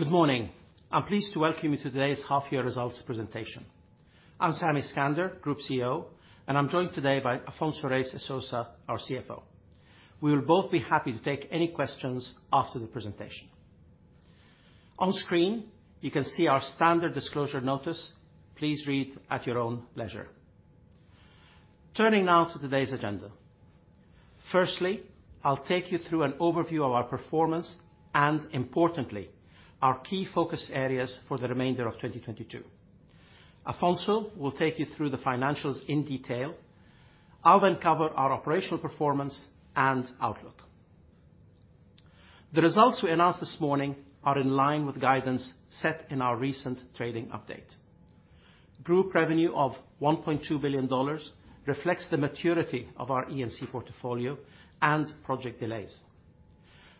Good morning. I'm pleased to welcome you to today's half-year results presentation. I'm Sami Iskander, Group CEO, and I'm joined today by Afonso Reis e Sousa, our CFO. We will both be happy to take any questions after the presentation. On screen, you can see our standard disclosure notice. Please read at your own leisure. Turning now to today's agenda. Firstly, I'll take you through an overview of our performance and, importantly, our key focus areas for the remainder of 2022. Afonso will take you through the financials in detail. I'll then cover our operational performance and outlook. The results we announced this morning are in line with guidance set in our recent trading update. Group revenue of $1.2 billion reflects the maturity of our E&C portfolio and project delays.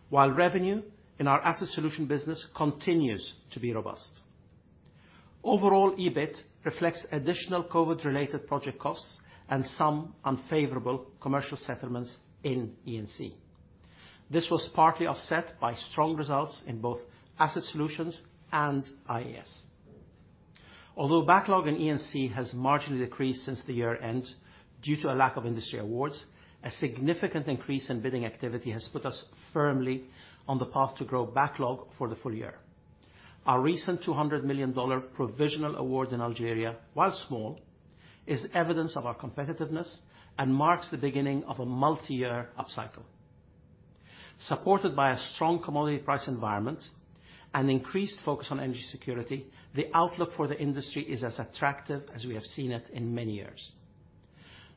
While revenue in our Asset Solutions business continues to be robust. Overall EBIT reflects additional COVID-related project costs and some unfavorable commercial settlements in E&C. This was partly offset by strong results in both Asset Solutions and IES. Although backlog in E&C has marginally decreased since the year-end due to a lack of industry awards, a significant increase in bidding activity has put us firmly on the path to grow backlog for the full year. Our recent $200 million provisional award in Algeria, while small, is evidence of our competitiveness and marks the beginning of a multi-year upcycle. Supported by a strong commodity price environment and increased focus on energy security, the outlook for the industry is as attractive as we have seen it in many years.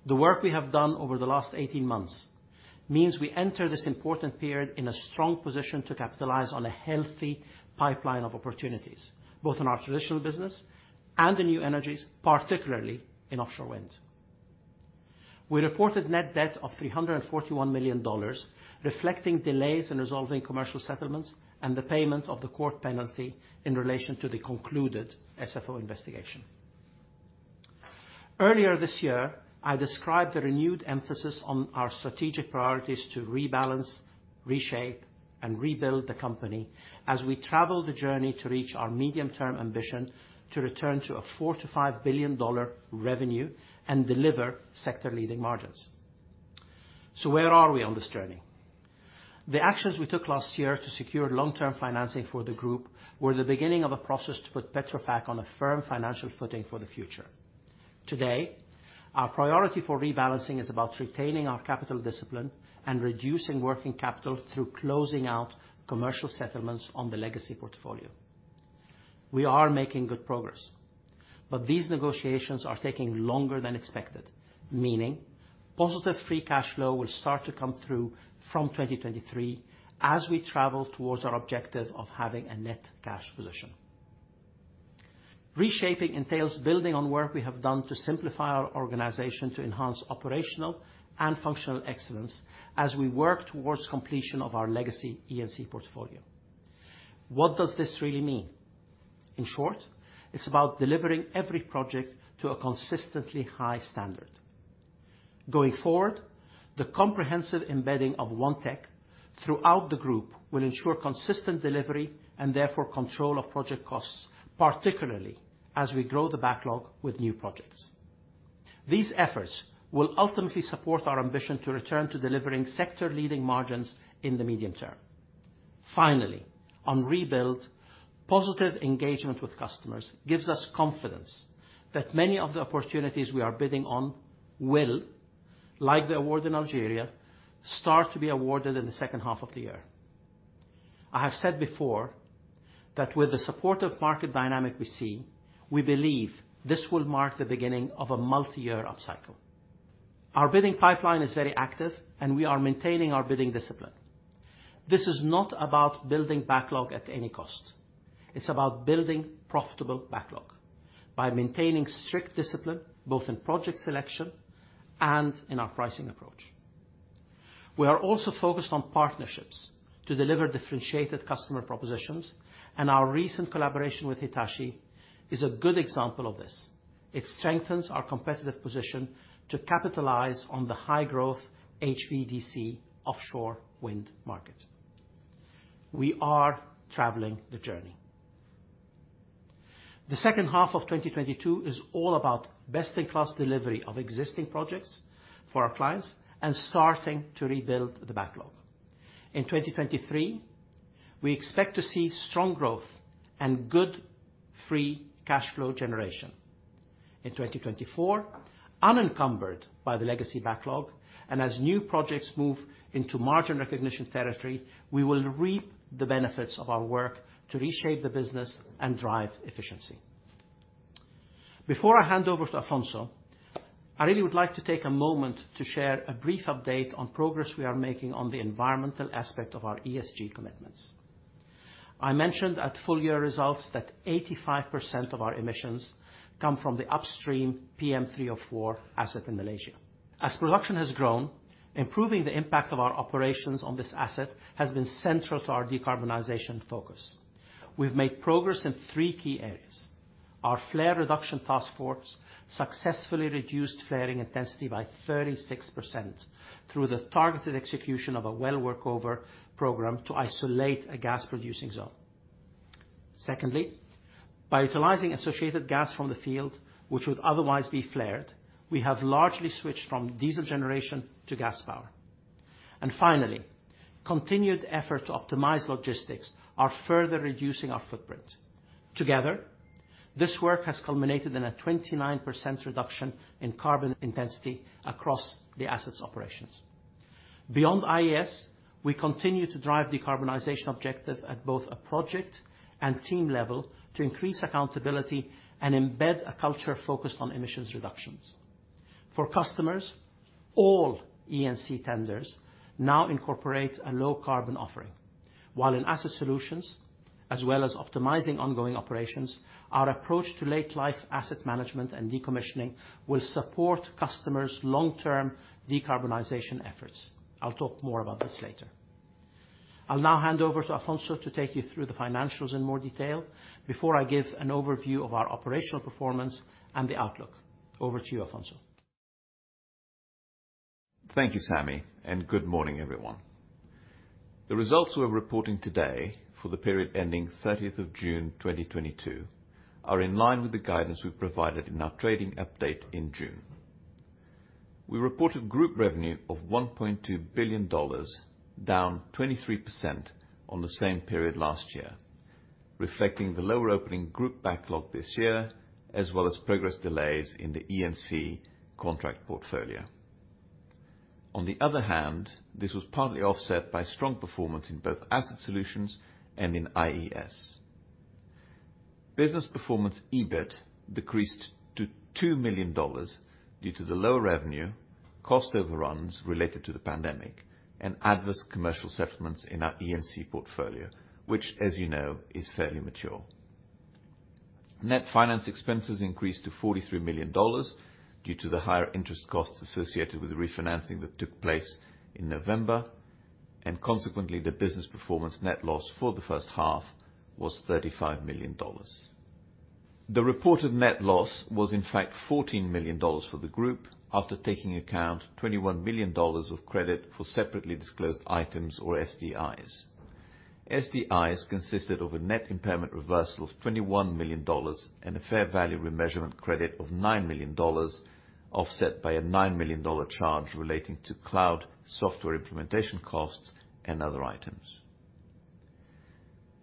The work we have done over the last 18 months means we enter this important period in a strong position to capitalize on a healthy pipeline of opportunities, both in our traditional business and the new energies, particularly in offshore wind. We reported net debt of $341 million reflecting delays in resolving commercial settlements and the payment of the court penalty in relation to the concluded SFO investigation. Earlier this year, I described the renewed emphasis on our strategic priorities to rebalance, reshape, and rebuild the company as we travel the journey to reach our medium-term ambition to return to a $4 billion-$5 billion revenue and deliver sector-leading margins. Where are we on this journey? The actions we took last year to secure long-term financing for the group were the beginning of a process to put Petrofac on a firm financial footing for the future. Today, our priority for rebalancing is about retaining our capital discipline and reducing working capital through closing out commercial settlements on the legacy portfolio. We are making good progress, but these negotiations are taking longer than expected, meaning positive free cash flow will start to come through from 2023 as we travel towards our objective of having a net cash position. Reshaping entails building on work we have done to simplify our organization to enhance operational and functional excellence as we work towards completion of our legacy E&C portfolio. What does this really mean? In short, it's about delivering every project to a consistently high standard. Going forward, the comprehensive embedding of OneTech throughout the group will ensure consistent delivery and therefore control of project costs, particularly as we grow the backlog with new projects. These efforts will ultimately support our ambition to return to delivering sector-leading margins in the medium term. Finally, on rebuild, positive engagement with customers gives us confidence that many of the opportunities we are bidding on will, like the award in Algeria, start to be awarded in the second half of the year. I have said before that with the supportive market dynamic we see, we believe this will mark the beginning of a multi-year upcycle. Our bidding pipeline is very active, and we are maintaining our bidding discipline. This is not about building backlog at any cost. It's about building profitable backlog by maintaining strict discipline, both in project selection and in our pricing approach. We are also focused on partnerships to deliver differentiated customer propositions, and our recent collaboration with Hitachi is a good example of this. It strengthens our competitive position to capitalize on the high-growth HVDC offshore wind market. We are traveling the journey. The second half of 2022 is all about best-in-class delivery of existing projects for our clients and starting to rebuild the backlog. In 2023, we expect to see strong growth and good free cash flow generation. In 2024, unencumbered by the legacy backlog, and as new projects move into margin recognition territory, we will reap the benefits of our work to reshape the business and drive efficiency. Before I hand over to Afonso, I really would like to take a moment to share a brief update on progress we are making on the environmental aspect of our ESG commitments. I mentioned at full-year results that 85% of our emissions come from the upstream PM304 asset in Malaysia. As production has grown, improving the impact of our operations on this asset has been central to our decarbonization focus. We've made progress in three key areas. Our flare reduction task force successfully reduced flaring intensity by 36% through the targeted execution of a well workover program to isolate a gas-producing zone. Secondly, by utilizing associated gas from the field which would otherwise be flared, we have largely switched from diesel generation to gas power. Finally, continued efforts to optimize logistics are further reducing our footprint. Together, this work has culminated in a 29% reduction in carbon intensity across the asset's operations. Beyond IES, we continue to drive decarbonization objectives at both a project and team level to increase accountability and embed a culture focused on emissions reductions. For customers, all E&C tenders now incorporate a low carbon offering. While in Asset Solutions, as well as optimizing ongoing operations, our approach to late life asset management and decommissioning will support customers' long-term decarbonization efforts. I'll talk more about this later. I'll now hand over to Afonso to take you through the financials in more detail before I give an overview of our operational performance and the outlook. Over to you, Afonso. Thank you Sami, and good morning, everyone. The results we're reporting today for the period ending 30th of June 2022 are in line with the guidance we provided in our trading update in June. We reported group revenue of $1.2 billion, down 23% on the same period last year, reflecting the lower opening group backlog this year, as well as progress delays in the E&C contract portfolio. On the other hand, this was partly offset by strong performance in both Asset Solutions and in IES. Business performance EBIT decreased to $2 million due to the lower revenue, cost overruns related to the pandemic, and adverse commercial settlements in our E&C portfolio, which, as you know, is fairly mature. Net finance expenses increased to $43 million due to the higher interest costs associated with the refinancing that took place in November, and consequently, the business performance net loss for the first half was $35 million. The reported net loss was in fact $14 million for the group after taking into account $21 million of credit for separately disclosed items, or SDIs. SDIs consisted of a net impairment reversal of $21 million and a fair value remeasurement credit of $9 million, offset by a $9 million charge relating to cloud software implementation costs and other items.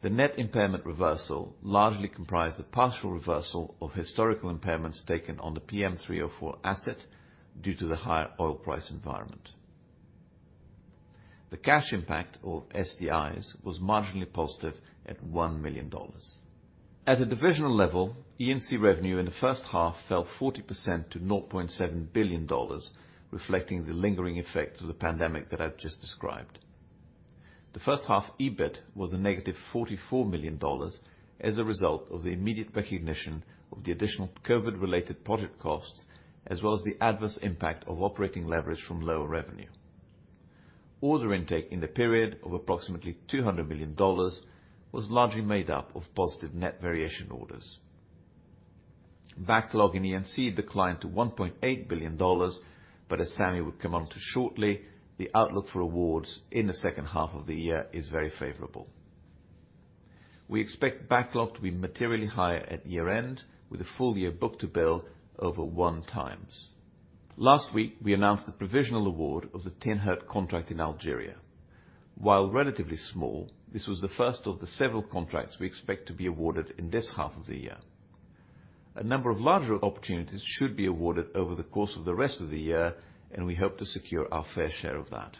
The net impairment reversal largely comprised the partial reversal of historical impairments taken on the PM304 asset due to the higher oil price environment. The cash impact of SDIs was marginally positive at $1 million. At a divisional level E&C revenue in the first half fell 40% to $0.7 billion, reflecting the lingering effects of the pandemic that I've just described. The first half EBIT was a negative $44 million as a result of the immediate recognition of the additional COVID-related project costs, as well as the adverse impact of operating leverage from lower revenue. Order intake in the period of approximately $200 million was largely made up of positive net variation orders. Backlog in E&C declined to $1.8 billion, but as Sami will come on to shortly, the outlook for awards in the second half of the year is very favorable. We expect backlog to be materially higher at year-end, with a full year book-to-bill over 1x. Last week, we announced the provisional award of the Tinrhert contract in Algeria. While relatively small this was the first of the several contracts we expect to be awarded in this half of the year. A number of larger opportunities should be awarded over the course of the rest of the year, and we hope to secure our fair share of that.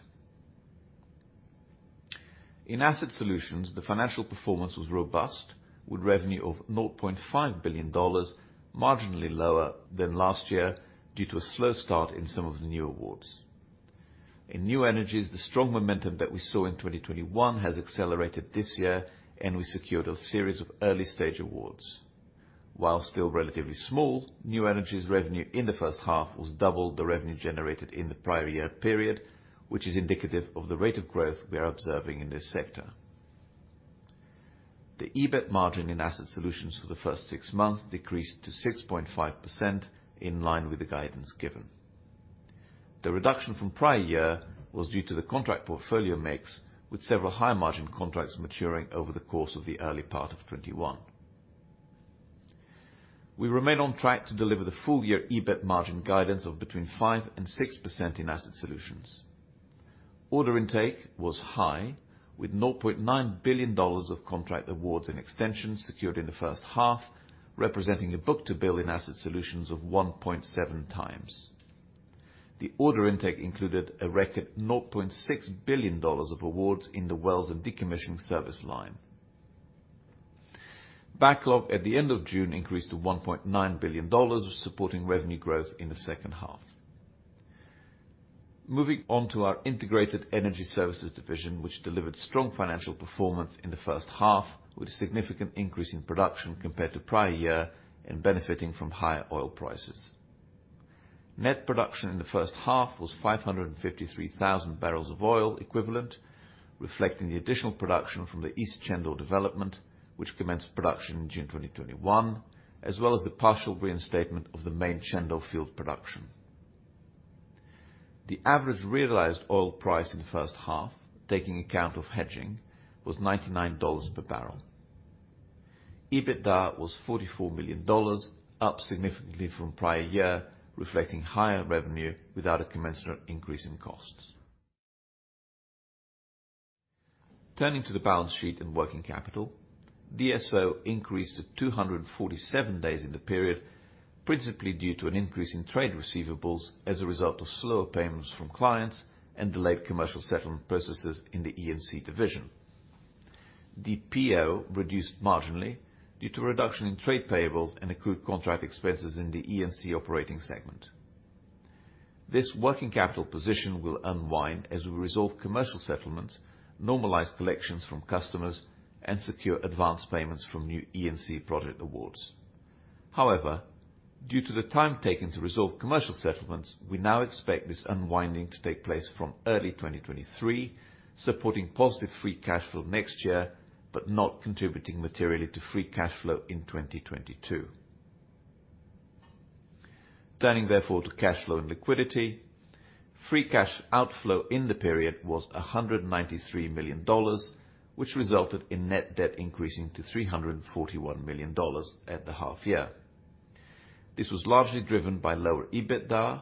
In Asset Solutions, the financial performance was robust, with revenue of $0.5 billion marginally lower than last year due to a slow start in some of the new awards. In new energies, the strong momentum that we saw in 2021 has accelerated this year, and we secured a series of early-stage awards. While still relatively small, new energies revenue in the first half was double the revenue generated in the prior year period, which is indicative of the rate of growth we are observing in this sector. The EBIT margin in Asset Solutions for the first six months decreased to 6.5% in line with the guidance given. The reduction from prior year was due to the contract portfolio mix, with several higher margin contracts maturing over the course of the early part of 2021. We remain on track to deliver the full year EBIT margin guidance of between 5%-6% in Asset Solutions. Order intake was high, with $0.9 billion of contract awards and extensions secured in the first half, representing a book-to-bill in Asset Solutions of 1.7x. The order intake included a record $0.6 billion of awards in the wells and decommissioning service line. Backlog at the end of June increased to $1.9 billion, supporting revenue growth in the second half. Moving on to our Integrated Energy Services division, which delivered strong financial performance in the first half, with a significant increase in production compared to prior year and benefiting from higher oil prices. Net production in the first half was 553,000 barrels of oil equivalent, reflecting the additional production from the East Cendor development, which commenced production in June 2021, as well as the partial reinstatement of the main Cendor field production. The average realized oil price in the first half, taking account of hedging, was $99 per barrel. EBITDA was $44 million, up significantly from prior year, reflecting higher revenue without a commensurate increase in costs. Turning to the balance sheet and working capital, DSO increased to 247 days in the period, principally due to an increase in trade receivables as a result of slower payments from clients and delayed commercial settlement processes in the E&C division. DPO reduced marginally due to a reduction in trade payables and accrued contract expenses in the E&C operating segment. This working capital position will unwind as we resolve commercial settlements, normalize collections from customers, and secure advanced payments from new E&C project awards. However, due to the time taken to resolve commercial settlements, we now expect this unwinding to take place from early 2023, supporting positive free cash flow next year, but not contributing materially to free cash flow in 2022. Turning therefore to cash flow and liquidity, free cash outflow in the period was $193 million, which resulted in net debt increasing to $341 million at the half year. This was largely driven by lower EBITDA,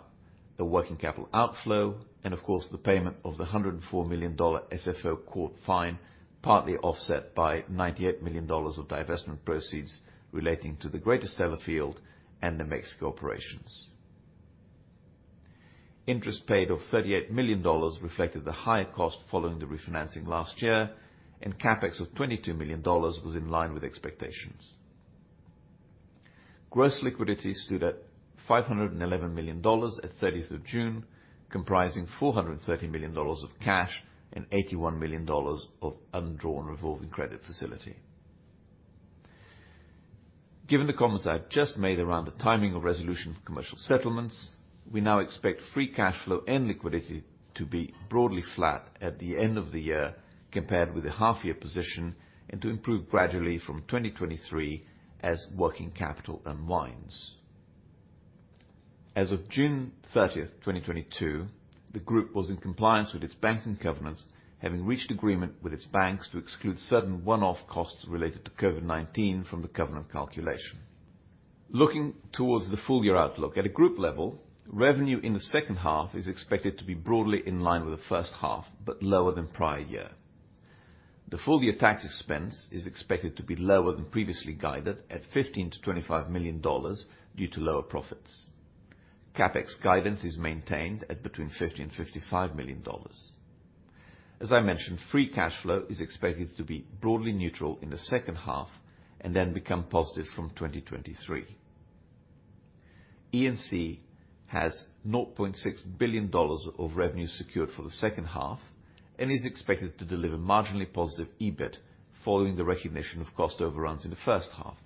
the working capital outflow, and of course, the payment of the $104 million SFO court fine, partly offset by $98 million of divestment proceeds relating to the Greater Stella field and the Mexico operations. Interest paid of $38 million reflected the higher cost following the refinancing last year, and CapEx of $22 million was in line with expectations. Gross liquidity stood at $511 million at the 30th of June, comprising $430 million of cash and $81 million of undrawn revolving credit facility. Given the comments I've just made around the timing of resolution for commercial settlements, we now expect free cash flow and liquidity to be broadly flat at the end of the year compared with the half year position and to improve gradually from 2023 as working capital unwinds. As of June 30, 2022, the group was in compliance with its banking covenants, having reached agreement with its banks to exclude certain one-off costs related to COVID-19 from the covenant calculation. Looking towards the full-year outlook at a group level, revenue in the second half is expected to be broadly in line with the first half, but lower than prior year. The full-year tax expense is expected to be lower than previously guided at $15 million-$25 million due to lower profits. CapEx guidance is maintained at between $50 million-$55 million. As I mentioned free cash flow is expected to be broadly neutral in the second half and then become positive from 2023. E&C has $0.6 billion of revenue secured for the second half and is expected to deliver marginally positive EBIT following the recognition of cost overruns in the first half.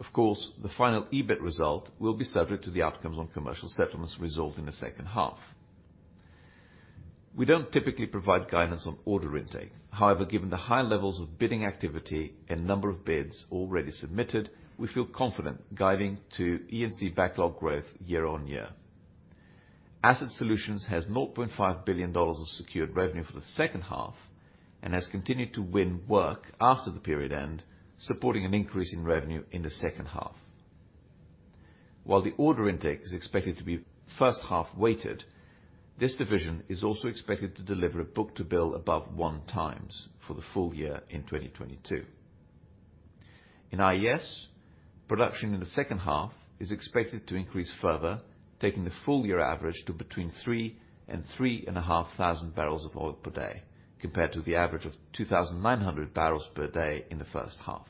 Of course, the final EBIT result will be subject to the outcomes on commercial settlements resolved in the second half. We don't typically provide guidance on order intake. However, given the high levels of bidding activity and number of bids already submitted, we feel confident guiding to E&C backlog growth year-on-year. Asset Solutions has $0.5 billion of secured revenue for the second half and has continued to win work after the period end, supporting an increase in revenue in the second half. While the order intake is expected to be first half weighted, this division is also expected to deliver a book-to-bill above 1x for the full year in 2022. In IES, production in the second half is expected to increase further, taking the full year average to between 3,000 and 3,500 barrels of oil per day compared to the average of 2,900 barrels per day in the first half.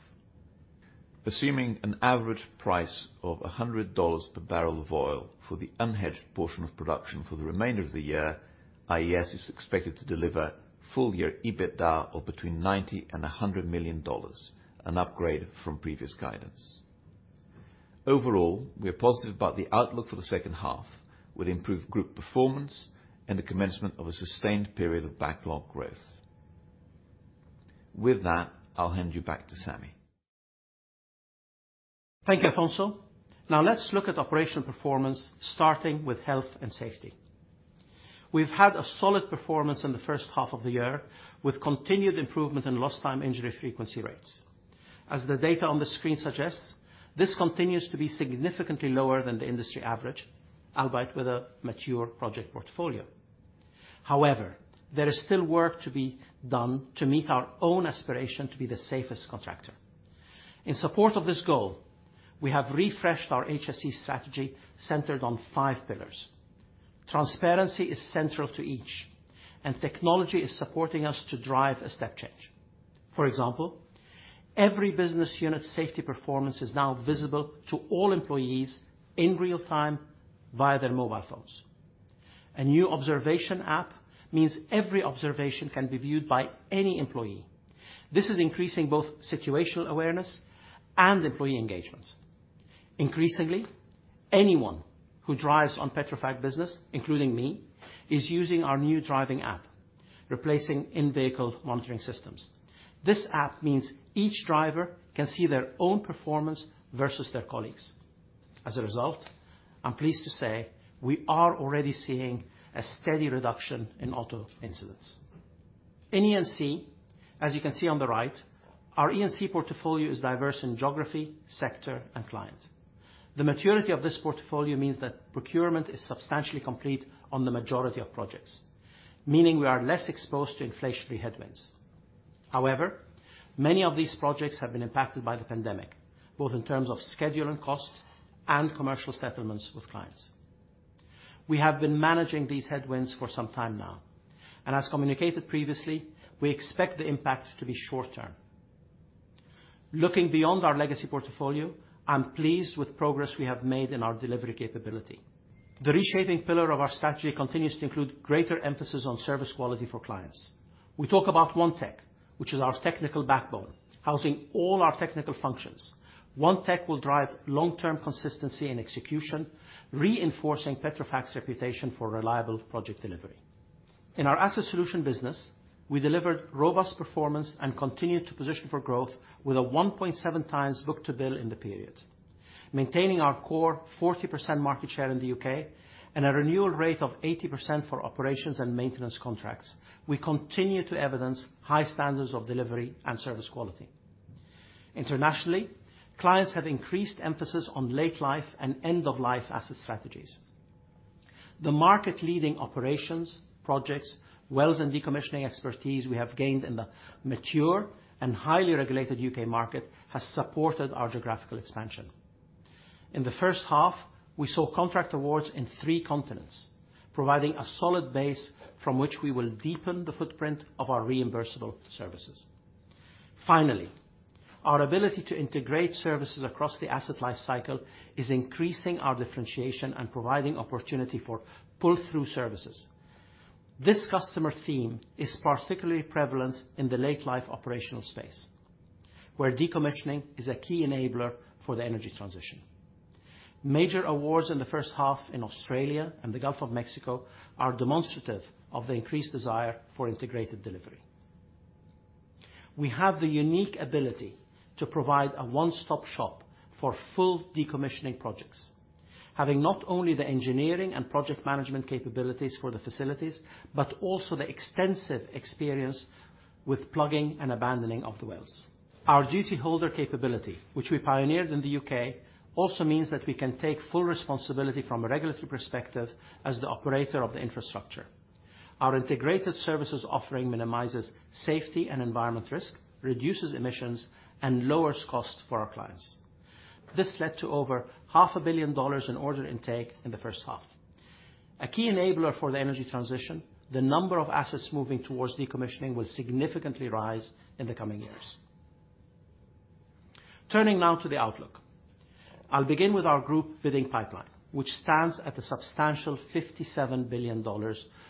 Assuming an average price of $100 per barrel of oil for the unhedged portion of production for the remainder of the year, IES is expected to deliver full-year EBITDA of between $90 million and $100 million, an upgrade from previous guidance. Overall, we are positive about the outlook for the second half with improved group performance and the commencement of a sustained period of backlog growth. With that I'll hand you back to Sami. Thank you Afonso. Now let's look at operational performance, starting with health and safety. We've had a solid performance in the first half of the year with continued improvement in lost time injury frequency rates. As the data on the screen suggests, this continues to be significantly lower than the industry average, albeit with a mature project portfolio. However, there is still work to be done to meet our own aspiration to be the safest contractor. In support of this goal, we have refreshed our HSE strategy centered on five pillars. Transparency is central to each, and technology is supporting us to drive a step change. For example, every business unit safety performance is now visible to all employees in real time via their mobile phones. A new observation app means every observation can be viewed by any employee. This is increasing both situational awareness and employee engagement. Increasingly, anyone who drives on Petrofac business, including me, is using our new driving app, replacing in-vehicle monitoring systems. This app means each driver can see their own performance versus their colleagues. As a result, I'm pleased to say we are already seeing a steady reduction in auto incidents. In E&C, as you can see on the right, our E&C portfolio is diverse in geography, sector, and client. The maturity of this portfolio means that procurement is substantially complete on the majority of projects, meaning we are less exposed to inflationary headwinds. However, many of these projects have been impacted by the pandemic, both in terms of schedule and cost and commercial settlements with clients. We have been managing these headwinds for some time now, and as communicated previously, we expect the impact to be short-term. Looking beyond our legacy portfolio, I'm pleased with progress we have made in our delivery capability. The reshaping pillar of our strategy continues to include greater emphasis on service quality for clients. We talk about OneTech, which is our technical backbone, housing all our technical functions. OneTech will drive long-term consistency and execution, reinforcing Petrofac's reputation for reliable project delivery. In our Asset Solutions business, we delivered robust performance and continued to position for growth with a 1.7x book-to-bill in the period. Maintaining our core 40% market share in the U.K. And a renewal rate of 80% for operations and maintenance contracts. We continue to evidence high standards of delivery and service quality. Internationally, clients have increased emphasis on late life and end of life asset strategies. The market leading operations, projects, wells and decommissioning expertise we have gained in the mature and highly regulated U.K. Market has supported our geographical expansion. In the first half, we saw contract awards in three continents, providing a solid base from which we will deepen the footprint of our reimbursable services. Finally, our ability to integrate services across the asset life cycle is increasing our differentiation and providing opportunity for pull-through services. This customer theme is particularly prevalent in the late life operational space, where decommissioning is a key enabler for the energy transition. Major awards in the first half in Australia and the Gulf of Mexico are demonstrative of the increased desire for integrated delivery. We have the unique ability to provide a one-stop shop for full decommissioning projects, having not only the engineering and project management capabilities for the facilities, but also the extensive experience with plugging and abandoning of the wells. Our duty holder capability, which we pioneered in the U.K., also means that we can take full responsibility from a regulatory perspective as the operator of the infrastructure. Our integrated services offering minimizes safety and environmental risk, reduces emissions, and lowers costs for our clients. This led to over half a billion dollars in order intake in the first half. A key enabler for the energy transition, the number of assets moving towards decommissioning will significantly rise in the coming years. Turning now to the outlook. I'll begin with our group bidding pipeline, which stands at a substantial $57 billion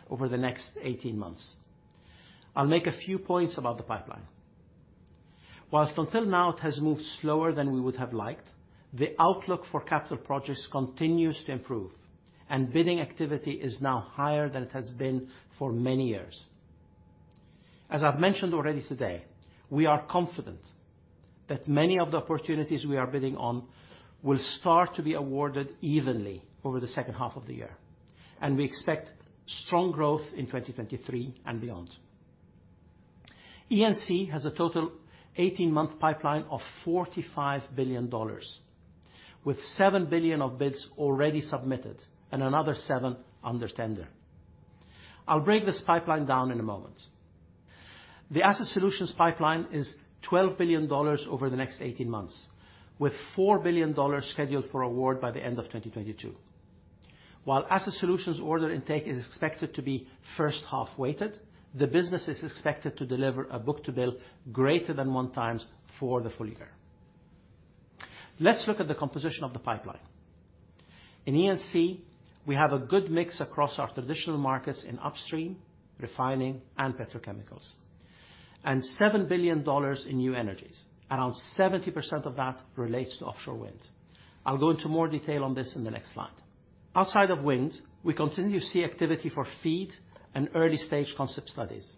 over the next 18 months. I'll make a few points about the pipeline. While until now it has moved slower than we would have liked, the outlook for capital projects continues to improve, and bidding activity is now higher than it has been for many years. As I've mentioned already today, we are confident that many of the opportunities we are bidding on will start to be awarded evenly over the second half of the year, and we expect strong growth in 2023 and beyond. E&C has a total 18-month pipeline of $45 billion, with $7 billion of bids already submitted and another $7 billion under tender. I'll break this pipeline down in a moment. The Asset Solutions pipeline is $12 billion over the next 18 months, with $4 billion scheduled for award by the end of 2022. While Asset Solutions order intake is expected to be first half weighted, the business is expected to deliver a book-to-bill greater than 1x for the full year. Let's look at the composition of the pipeline. In E&C, we have a good mix across our traditional markets in upstream, refining, and petrochemicals, and $7 billion in new energies. Around 70% of that relates to offshore wind. I'll go into more detail on this in the next slide. Outside of wind, we continue to see activity for feed and early stage concept studies.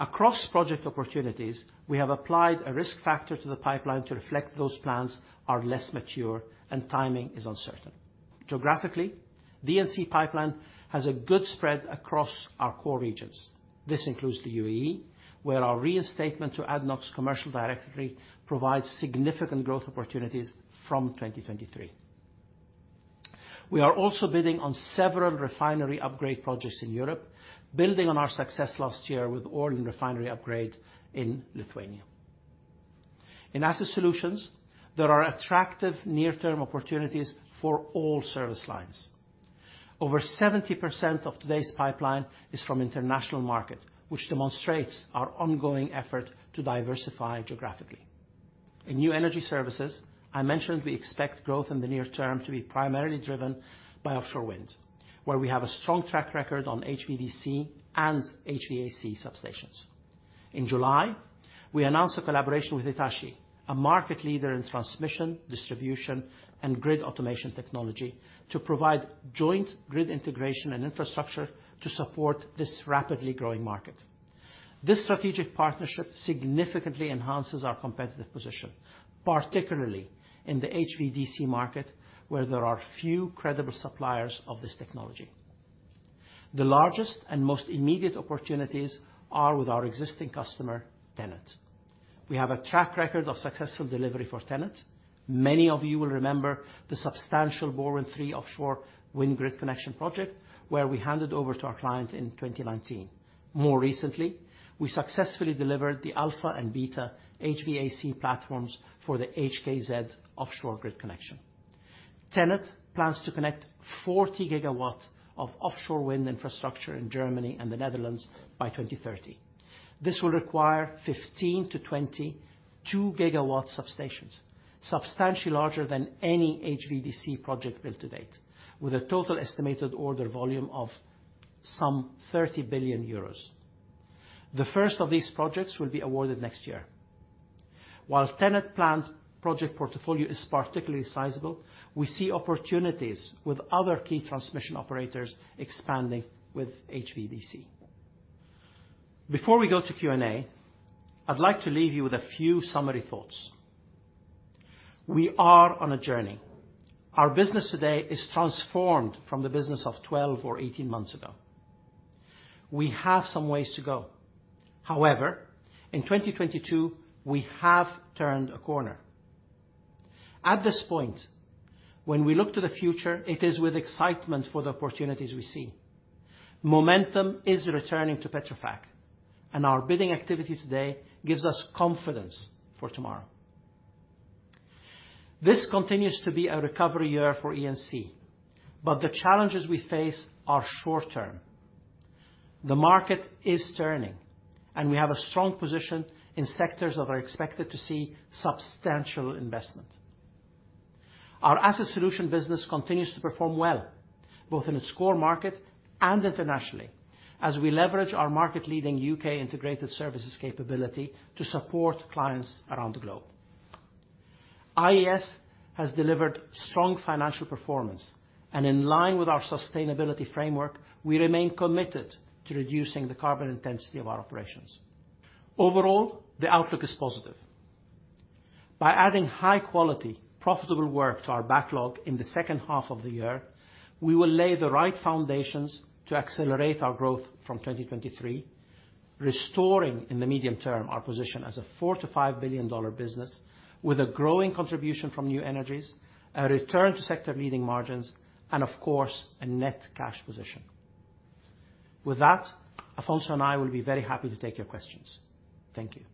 Across project opportunities, we have applied a risk factor to the pipeline to reflect those plans are less mature and timing is uncertain. Geographically, the E&C pipeline has a good spread across our core regions. This includes the UAE, where our reinstatement to ADNOC's commercial directory provides significant growth opportunities from 2023. We are also bidding on several refinery upgrade projects in Europe, building on our success last year with Orlen refinery upgrade in Lithuania. In Asset Solutions, there are attractive near-term opportunities for all service lines. Over 70% of today's pipeline is from international market, which demonstrates our ongoing effort to diversify geographically. In new energy services, I mentioned we expect growth in the near term to be primarily driven by offshore wind, where we have a strong track record on HVDC and HVAC substations. In July, we announced a collaboration with Hitachi, a market leader in transmission, distribution, and grid automation technology, to provide joint grid integration and infrastructure to support this rapidly growing market. This strategic partnership significantly enhances our competitive position, particularly in the HVDC market, where there are few credible suppliers of this technology. The largest and most immediate opportunities are with our existing customer, TenneT. We have a track record of successful delivery for TenneT. Many of you will remember the substantial BorWin3 offshore wind grid connection project, where we handed over to our client in 2019. More recently, we successfully delivered the alpha and beta HVAC platforms for the HKZ offshore grid connection. TenneT plans to connect 40 GW of offshore wind infrastructure in Germany and the Netherlands by 2030. This will require 15-22 GW substations, substantially larger than any HVDC project built to date, with a total estimated order volume of some 30 billion euros. The first of these projects will be awarded next year. While TenneT planned project portfolio is particularly sizable, we see opportunities with other key transmission operators expanding with HVDC. Before we go to Q&A, I'd like to leave you with a few summary thoughts. We are on a journey. Our business today is transformed from the business of 12 or 18 months ago. We have some ways to go. However, in 2022, we have turned a corner. At this point, when we look to the future, it is with excitement for the opportunities we see. Momentum is returning to Petrofac, and our bidding activity today gives us confidence for tomorrow. This continues to be a recovery year for E&C, but the challenges we face are short term. The market is turning, and we have a strong position in sectors that are expected to see substantial investment. Our Asset Solutions business continues to perform well, both in its core market and internationally, as we leverage our market leading U.K. integrated services capability to support clients around the globe. Integrated Energy Services has delivered strong financial performance and in line with our sustainability framework, we remain committed to reducing the carbon intensity of our operations. Overall, the outlook is positive. By adding high quality, profitable work to our backlog in the second half of the year, we will lay the right foundations to accelerate our growth from 2023, restoring in the medium term our position as a $4 billion-$5 billion business with a growing contribution from new energies, a return to sector leading margins and of course, a net cash position. With that, Afonso and I will be very happy to take your questions. Thank you.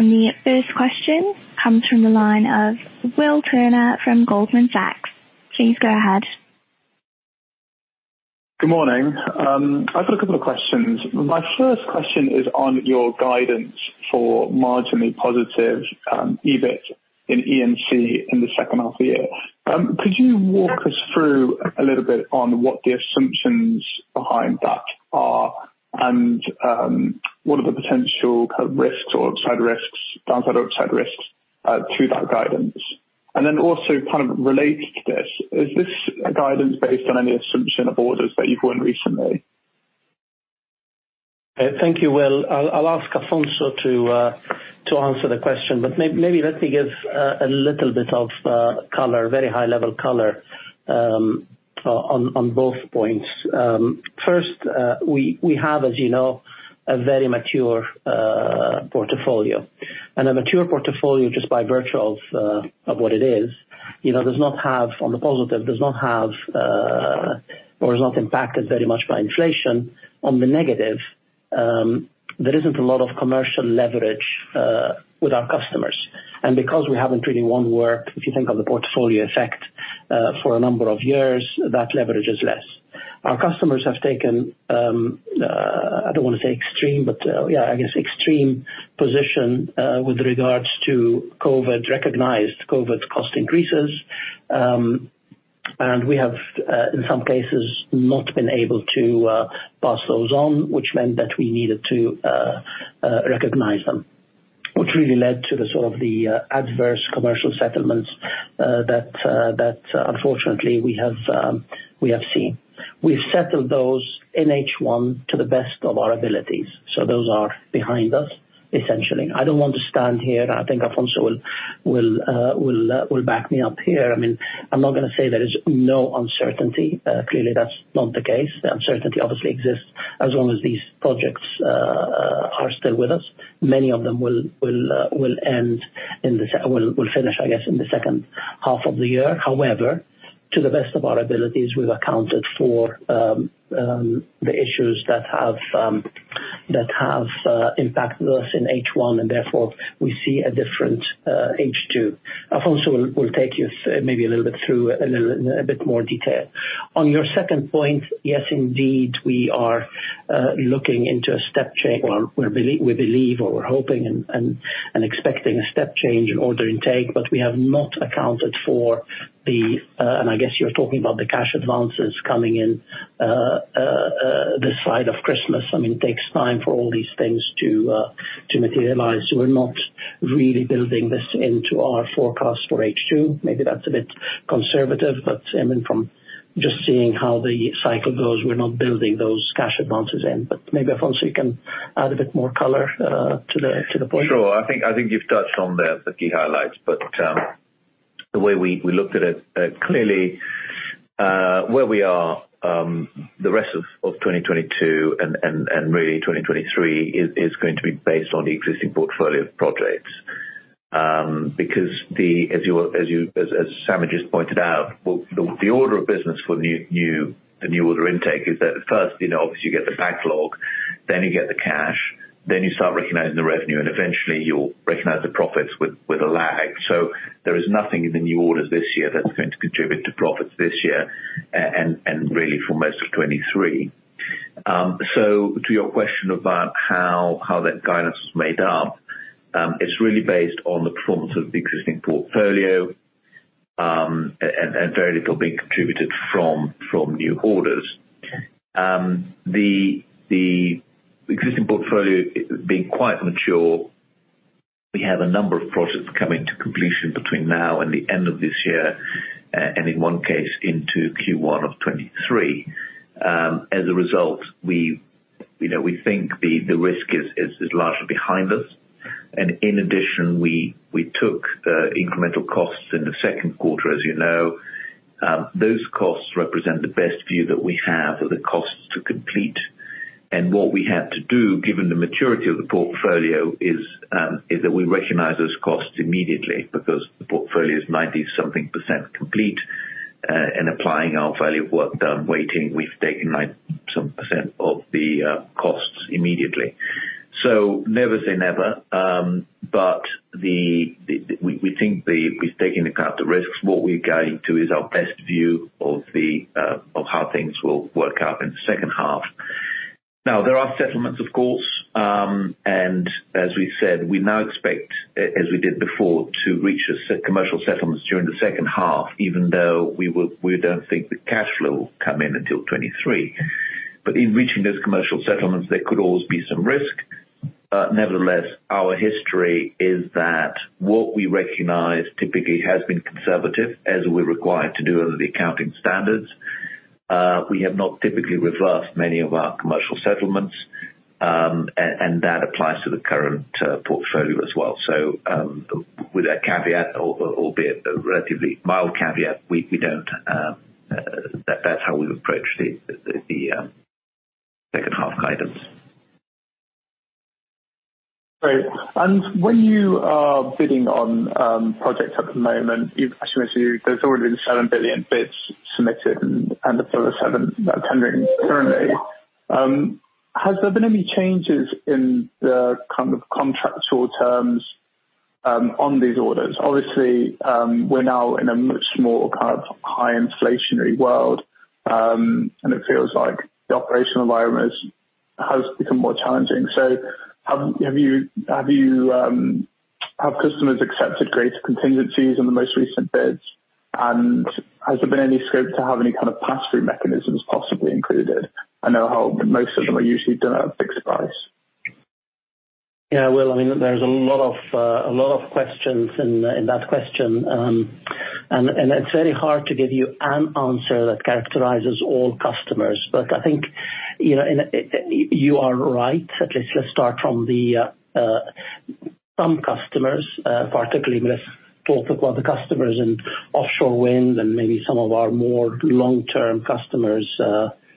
The first question comes from the line of Will Turner from Goldman Sachs. Please go ahead. Good morning. I've got a couple of questions. My first question is on your guidance for marginally positive EBIT in E&C in the second half of the year. Could you walk us through a little bit on what the assumptions behind that are and what are the potential kind of risks or upside risks, downside or upside risks to that guidance? Also kind of related to this, is this a guidance based on any assumption of orders that you've won recently? Thank you Will I'll ask Afonso to answer the question, but maybe let me give a little bit of color, very high-level color on both points. First, we have, as you know, a very mature portfolio, and a mature portfolio just by virtue of what it is, you know, does not have on the positive, does not have, or is not impacted very much by inflation. On the negative, there isn't a lot of commercial leverage with our customers. Because we haven't really won work, if you think of the portfolio effect, for a number of years, that leverage is less. Our customers have taken, I don't want to say extreme, but yeah, I guess extreme position with regards to COVID, recognized COVID cost increases. We have in some cases not been able to pass those on, which meant that we needed to recognize them, which really led to the sort of adverse commercial settlements that unfortunately we have seen. We've settled those in H1 to the best of our abilities, so those are behind us, essentially. I don't want to stand here. I think Afonso will back me up here. I mean, I'm not gonna say there is no uncertainty. Clearly that's not the case. The uncertainty obviously exists as long as these projects are still with us. Many of them will finish, I guess, in the second half of the year. However to the best of our abilities we've accounted for the issues that have. That have impacted us in H1, and therefore we see a different H2. Afonso will take you through a little bit more detail. On your second point, yes, indeed, we are looking into a step change. Well, we believe, or we're hoping and expecting a step change in order intake, but we have not accounted for, and I guess you're talking about the cash advances coming in this side of Christmas. I mean, it takes time for all these things to materialize. We're not really building this into our forecast for H2. Maybe that's a bit conservative, but, I mean, from just seeing how the cycle goes, we're not building those cash advances in. Maybe Afonso you can add a bit more color to the point. Sure. I think you've touched on the key highlights, but the way we looked at it, clearly, where we are, the rest of 2022 and really 2023 is going to be based on the existing portfolio of projects. Because as Sami just pointed out, well, the order of business for the new order intake is that at first, you know, obviously you get the backlog, then you get the cash, then you start recognizing the revenue, and eventually you'll recognize the profits with a lag. So there is nothing in the new orders this year that's going to contribute to profits this year and really for most of 2023. To your question about how that guidance is made up, it's really based on the performance of the existing portfolio and very little being contributed from new orders. The existing portfolio being quite mature, we have a number of projects coming to completion between now and the end of this year and in one case into Q1 of 2023. As a result, you know, we think the risk is largely behind us. In addition, we took incremental costs in the second quarter as you know. Those costs represent the best view that we have of the costs to complete. What we had to do, given the maturity of the portfolio, is that we recognize those costs immediately because the portfolio is 90% something. Applying our value of work done weighting, we've taken 90% some of the costs immediately. Never say never, but we think with taking into account the risks, what we're guiding to is our best view of how things will work out in the second half. Now, there are settlements of course, and as we've said, we now expect as we did before, to reach the commercial settlements during the second half, even though we don't think the cash flow will come in until 2023. In reaching those commercial settlements, there could always be some risk. Nevertheless, our history is that what we recognize typically has been conservative as we're required to do under the accounting standards. We have not typically reversed many of our commercial settlements, and that applies to the current portfolio as well. With a caveat or albeit a relatively mild caveat, that's how we've approached the second half guidance. Great. When you are bidding on projects at the moment, I assume there's already $7 billion bids submitted and a further seven that are tendering currently. Has there been any changes in the kind of contractual terms on these orders? Obviously, we're now in a much more kind of high inflationary world, and it feels like the operational environment has become more challenging. Have customers accepted greater contingencies in the most recent bids? Has there been any scope to have any kind of pass-through mechanisms possibly included? I know how most of them are usually done at a fixed price. Yeah well I mean, there's a lot of questions in that question. It's very hard to give you an answer that characterizes all customers. I think, you know, you are right. At least let's start from some customers, particularly we have talked about the customers in offshore wind and maybe some of our more long-term customers,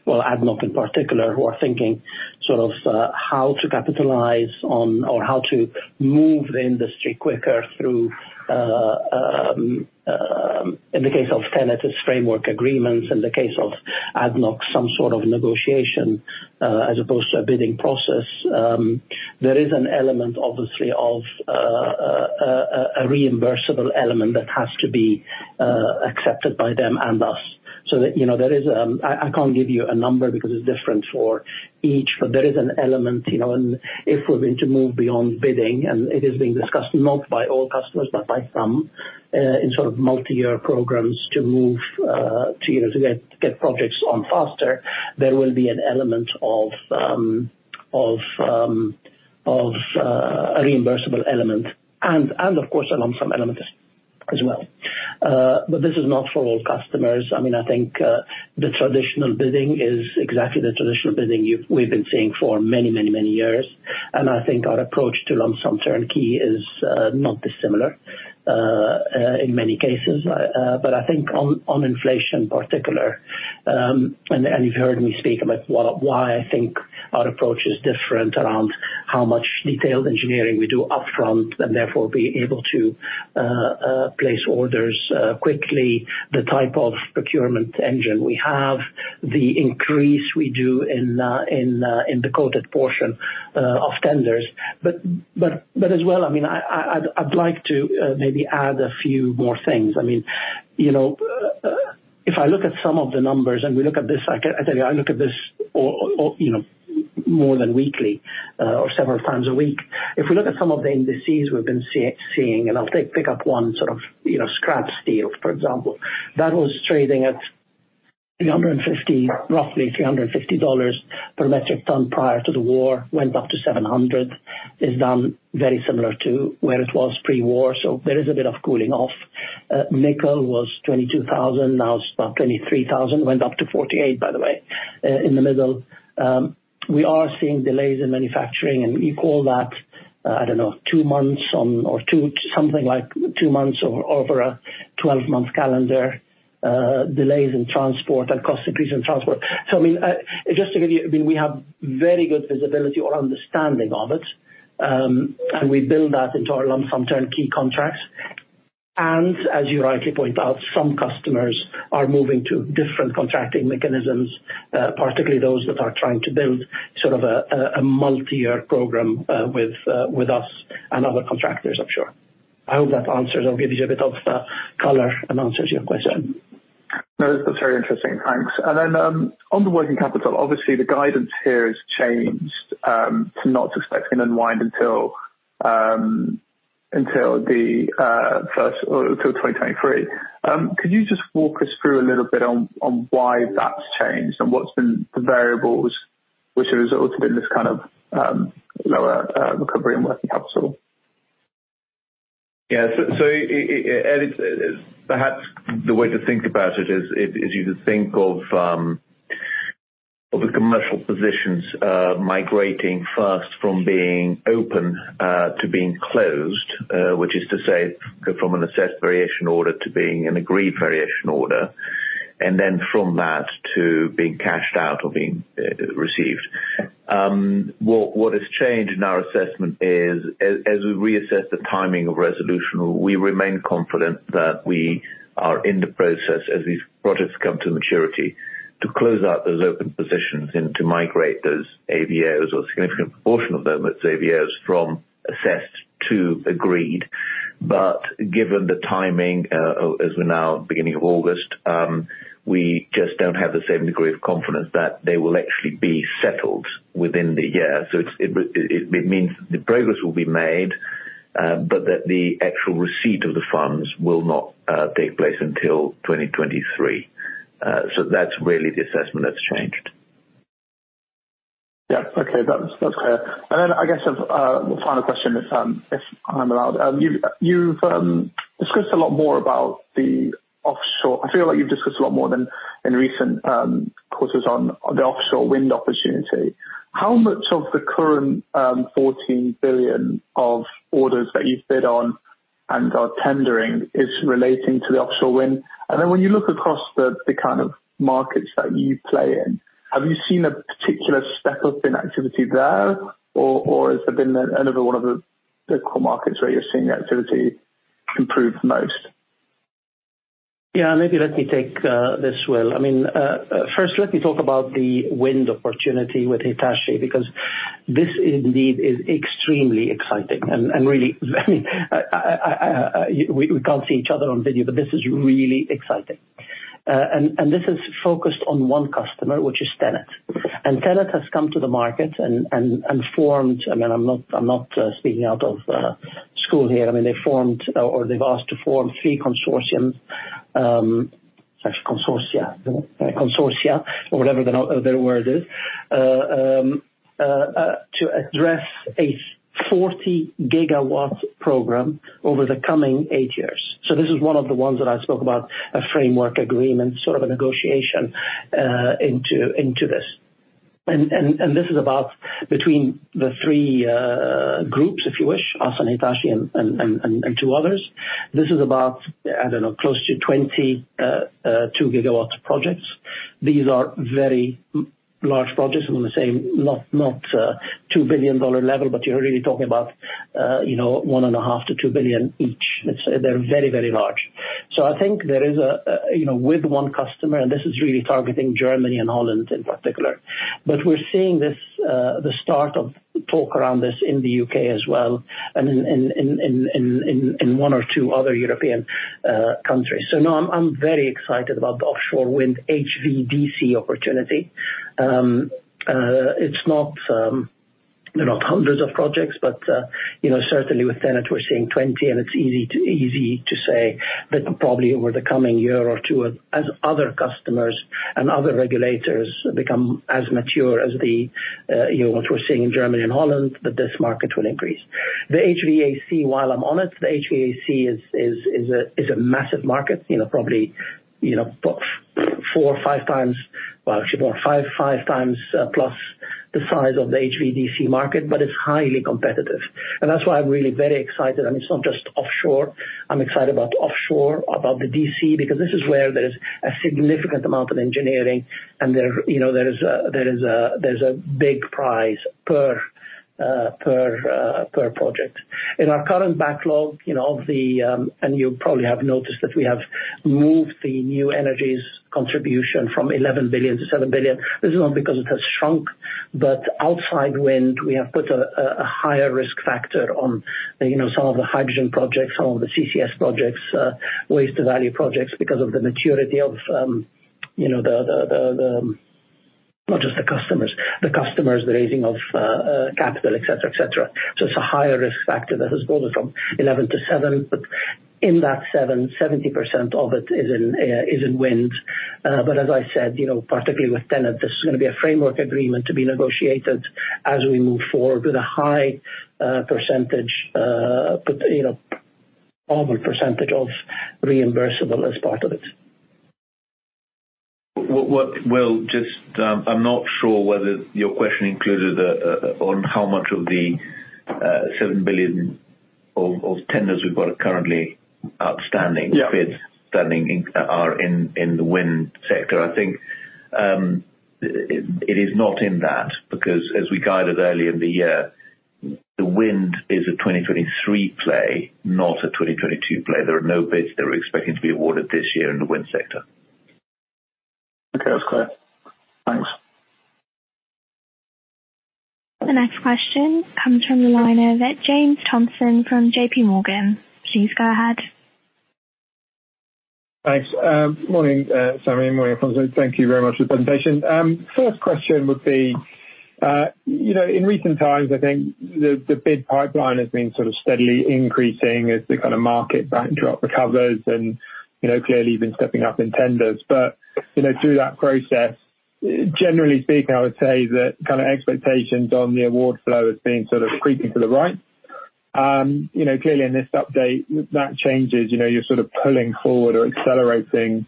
well, ADNOC in particular, who are thinking sort of how to capitalize on or how to move the industry quicker through in the case of TenneT, it's framework agreements, in the case of ADNOC, some sort of negotiation, as opposed to a bidding process. There is an element obviously of a reimbursable element that has to be accepted by them and us so that, you know, there is. I can't give you a number because it's different for each. There is an element, you know. If we're going to move beyond bidding, and it is being discussed not by all customers, but by some, in sort of multi-year programs to move to, you know, to get projects on faster, there will be an element of a reimbursable element and of course a lump sum element as well. This is not for all customers. I mean, I think the traditional bidding is exactly the traditional bidding we've been seeing for many, many, many years. I think our approach to lump sum turnkey is not dissimilar in many cases. I think on inflation in particular, and you've heard me speak about why I think our approach is different around how much detailed engineering we do upfront and therefore be able to place orders quickly. The type of procurement engine we have, the increase we do in the quoted portion of tenders. As well, I mean, I'd like to maybe add a few more things. I mean, you know, if I look at some of the numbers, and we look at this, I can tell you, I look at this all, you know, more than weekly or several times a week. If we look at some of the indices we've been seeing, I'll pick up one, sort of, you know, scrap steel, for example, that was trading at $350, roughly $350 per metric ton prior to the war. Went up to $700. It's down very similar to where it was pre-war, so there is a bit of cooling off. Nickel was $22,000, now it's about $23,000. Went up to $48,000, by the way, in the middle. We are seeing delays in manufacturing, and we call that, I don't know, two months on or two, something like two months over a 12-month calendar, delays in transport and cost increase in transport. I mean just to give you I mean, we have very good visibility or understanding of it, and we build that into our lump sum turnkey contracts. As you rightly point out, some customers are moving to different contracting mechanisms, particularly those that are trying to build sort of a multi-year program with us and other contractors, I'm sure. I hope that answers or gives you a bit of color and answers your question. No that's very interesting. Thanks. On the working capital, obviously the guidance here has changed to not expecting unwind until the first or till 2023. Could you just walk us through a little bit on why that's changed and what's been the variables which have resulted in this kind of lower recovery in working capital? Yeah. Indeed perhaps the way to think about it is you think of the commercial positions migrating first from being open to being closed, which is to say from an assessed variation order to being an agreed variation order, and then from that to being cashed out or being received. What has changed in our assessment is as we reassess the timing of resolution, we remain confident that we are in the process as these projects come to maturity to close out those open positions and to migrate those AVOs or a significant portion of them, it's AVOs from assessed to agreed. Given the timing as we're now beginning of August, we just don't have the same degree of confidence that they will actually be settled within the year. It means the progress will be made, but that the actual receipt of the funds will not take place until 2023. That's really the assessment that's changed. Yeah. Okay. That's clear. Then I guess a final question, if I'm allowed. You've discussed a lot more about the offshore. I feel like you've discussed a lot more than in recent calls on the offshore wind opportunity. How much of the current $14 billion of orders that you bid on and are tendering is relating to the offshore wind? Then when you look across the kind of markets that you play in, have you seen a particular step up in activity there or has there been another one of the core markets where you're seeing activity improve most? Yeah maybe let me take this Will. I mean, first let me talk about the wind opportunity with Hitachi, because this indeed is extremely exciting. Really, I mean, we can't see each other on video, but this is really exciting. This is focused on one customer, which is TenneT. TenneT has come to the market and formed. I mean, I'm not speaking out of school here. I mean, they formed or they've asked to form three consortiums, actually consortia, or whatever the word is, to address a 40 GW program over the coming eight years. This is one of the ones that I spoke about, a framework agreement, sort of a negotiation, into this. This is about between the three groups, if you wish, us and Hitachi and two others. This is about, I don't know, close to 22 GW projects. These are very large projects. I'm going to say not two billion dollar level, but you're really talking about, you know, $1.5-$2 billion each. Let's say they're very, very large. I think there is a, you know, with one customer, and this is really targeting Germany and Holland in particular. But we're seeing this, the start of talk around this in the U.K. as well and in one or two other European countries. No, I'm very excited about the offshore wind HVDC opportunity. It's not you know not hundreds of projects but you know certainly with TenneT we're seeing 20. It's easy to say that probably over the coming year or two as other customers and other regulators become as mature as the, you know, what we're seeing in Germany and Holland, that this market will increase. The HVAC while I'm on it. The HVAC is a massive market, you know, probably, you know, four or 5x. Well, actually more, 5x plus the size of the HVDC market, but it's highly competitive and that's why I'm really very excited. I mean, it's not just offshore. I'm excited about offshore about the DC because this is where there is a significant amount of engineering and there, you know, there's a big prize per project. In our current backlog, you know, of the. You probably have noticed that we have moved the new energies contribution from $11 billion-$7 billion. This is not because it has shrunk, but outside wind, we have put a higher risk factor on, you know, some of the hydrogen projects, some of the CCS projects, waste to value projects because of the maturity of, you know, Not just the customers, the raising of capital, etc. It's a higher risk factor that has brought it from 11 to seven, but in that 7, 70% of it is in wind. But as I said, you know, particularly with TenneT, this is gonna be a framework agreement to be negotiated as we move forward with a high percentage, but, you know, overall percentage of reimbursable as part of it. Well just I'm not sure whether your question included on how much of the $7 billion of tenders we've got currently outstanding. Yeah. Bids are in the wind sector. I think it is not in that because as we guided earlier in the year, the wind is a 2023 play, not a 2022 play. There are no bids that are expecting to be awarded this year in the wind sector. Okay. That's clear. Thanks. The next question comes from the line of James Thompson from JPMorgan. Please go ahead. Thanks. Morning Sami. Morning, Afonso. Thank you very much for the presentation. First question would be, you know, in recent times, I think the bid pipeline has been sort of steadily increasing as the kind of market backdrop recovers and, you know, clearly you've been stepping up in tenders. But, you know, through that process, generally speaking, I would say that kind of expectations on the award flow has been sort of creeping to the right. You know, clearly in this update that changes. You know, you're sort of pulling forward or accelerating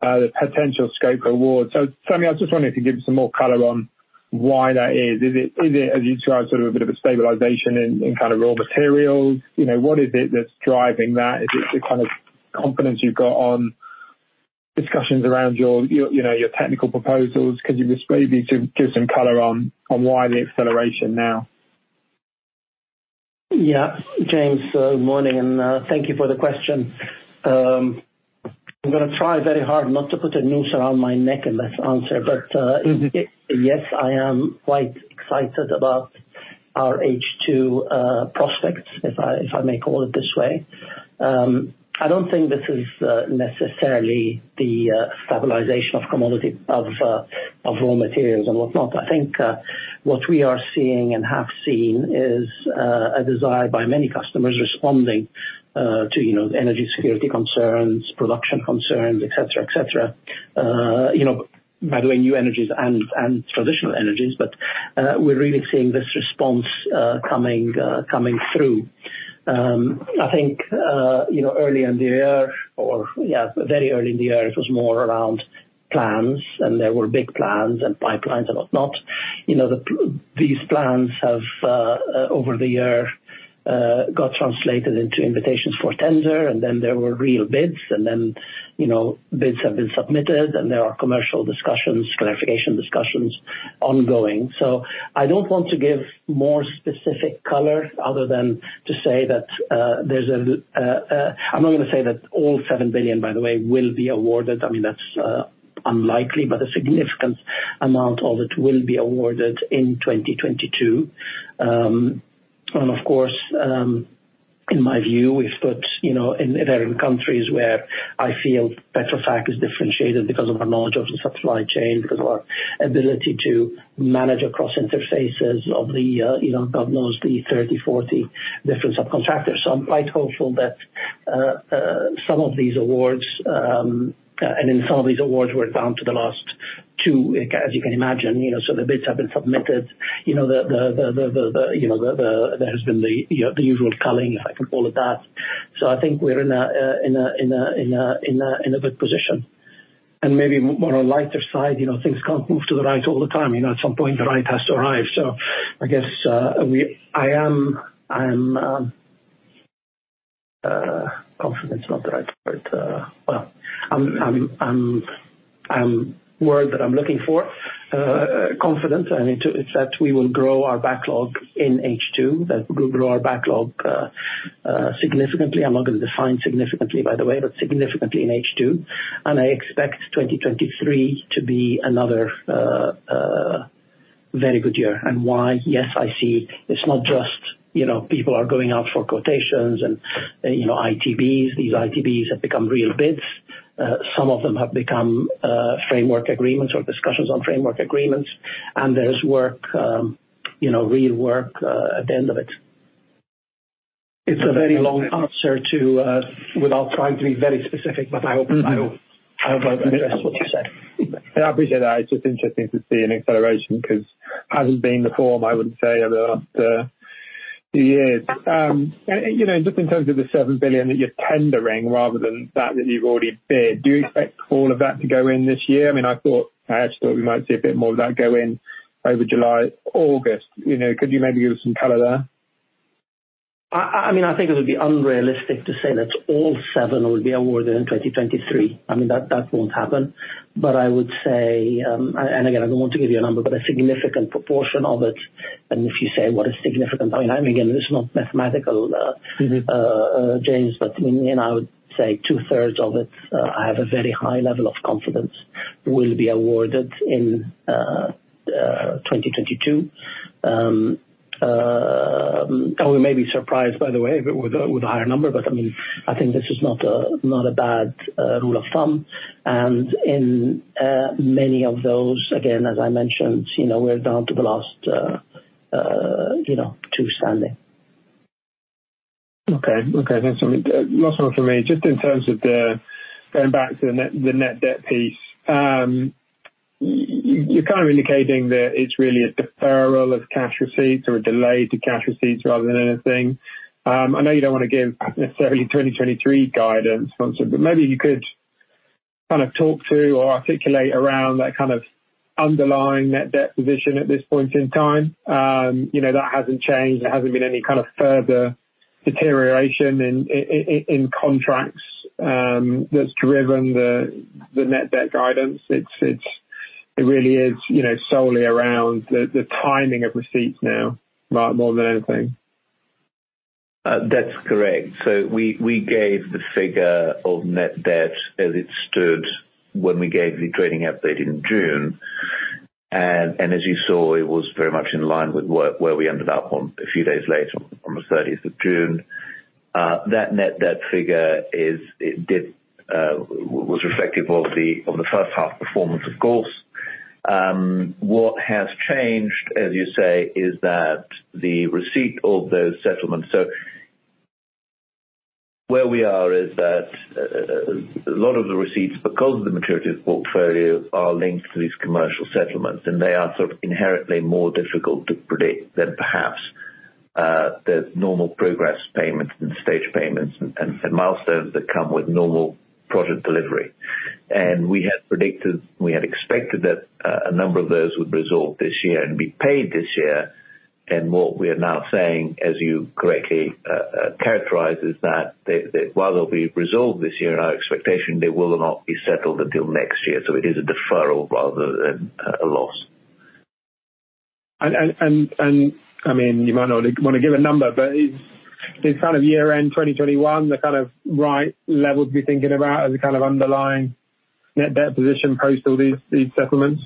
the potential scope awards. So Sami, I was just wondering if you could give some more color on why that is. Is it as you described, sort of a bit of a stabilization in kind of raw materials? You know, what is it that's driving that? Is it the kind of confidence you've got on discussions around your, you know, your technical proposals? Could you just maybe to give some color on why the acceleration now? Yeah. James morning and thank you for the question. I'm gonna try very hard not to put a noose around my neck in this answer. Yes, I am quite excited about our H2 prospects, if I may call it this way. I don't think this is necessarily the stabilization of commodity of raw materials and whatnot. I think what we are seeing and have seen is a desire by many customers responding to you know, energy security concerns, production concerns, etc. You know, by the way, new energies and traditional energies. We're really seeing this response coming through. I think you know, early in the year or yeah, very early in the year, it was more around plans, and there were big plans and pipelines and whatnot. You know, these plans have, over the year, got translated into invitations for tender, and then there were real bids. You know, bids have been submitted, and there are commercial discussions, clarification discussions ongoing. I don't want to give more specific color other than to say that. I'm not gonna say that all $7 billion, by the way, will be awarded. I mean, that's unlikely, but a significant amount of it will be awarded in 2022. Of course in my view we've put you know in they're in countries where I feel Petrofac is differentiated because of our knowledge of the supply chain, because of our ability to manage across interfaces of the you know God knows the 30, 40 different subcontractors. I'm quite hopeful that some of these awards and in some of these awards, we're down to the last two, as you can imagine. You know, the bids have been submitted. You know, there has been the usual culling, if I can call it that. I think we're in a good position. Maybe more on a lighter side, you know, things can't move to the right all the time. You know, at some point the right has to arrive. I guess, confident is not the right word. Word that I'm looking for, confident. I mean is that we will grow our backlog in H2, that we'll grow our backlog, significantly. I'm not gonna define significantly by the way, but significantly in H2. I expect 2023 to be another, very good year. Why? Yes, I see it's not just, you know, people are going out for quotations and, you know, ITBs. These ITBs have become real bids. Some of them have become, framework agreements or discussions on framework agreements. There's work you know real work at the end of it. It's a very long answer to, without trying to be very specific, but I hope. Mm-hmm. I hope I've addressed what you said. Yeah. I appreciate that. It's just interesting to see an acceleration because hasn't been the form I would say over the last years. You know, just in terms of the $7 billion that you're tendering rather than that you've already bid, do you expect all of that to go in this year? I mean, I actually thought we might see a bit more of that go in over July, August. You know, could you maybe give us some color there? I mean I think it would be unrealistic to say that all seven would be awarded in 2023. I mean, that won't happen. I would say, and again, I don't want to give you a number, but a significant proportion of it. If you say what is significant? I mean, I'm again, this is not mathematical. Mm-hmm. James I mean I would say 2/3 of it I have a very high level of confidence will be awarded in 2022. We may be surprised by the way, with a higher number, but I mean, I think this is not a bad rule of thumb. In many of those, again, as I mentioned, you know, we're down to the last, you know, two standing. Okay. Thanks so much. Last one for me. Just in terms of going back to the net debt piece. You're kind of indicating that it's really a deferral of cash receipts or a delay to cash receipts rather than anything. I know you don't want to give necessarily 2023 guidance on sort of, but maybe you could kind of talk to or articulate around that kind of underlying net debt position at this point in time. You know, that hasn't changed. There hasn't been any kind of further deterioration in in contracts, that's driven the net debt guidance. It's it really is, you know, solely around the timing of receipts now, right? More than anything. That's correct. We gave the figure of net debt as it stood when we gave the trading update in June. As you saw, it was very much in line with where we ended up a few days later on the 30th of June. That net debt figure was reflective of the first half performance of course. What has changed, as you say, is that the receipt of those settlements. Where we are is that a lot of the receipts, because of the maturities portfolio, are linked to these commercial settlements, and they are sort of inherently more difficult to predict than perhaps the normal progress payments and stage payments and milestones that come with normal project delivery. We had predicted we had expected that a number of those would resolve this year and be paid this year. What we are now saying, as you correctly characterize, is that they, while they'll be resolved this year in our expectation, they will not be settled until next year. It is a deferral rather than a loss. I mean you might not want to give a number but is kind of year-end 2021 the kind of right level to be thinking about as a kind of underlying net debt position post all these settlements?